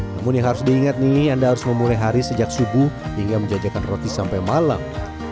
namun yang harus diingat nih anda harus memulai hari sejak subuh hingga menjajakan roti sampai malam